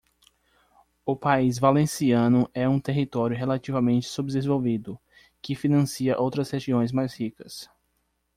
O País Valenciano é um território relativamente subdesenvolvido que financia outras regiões mais ricas.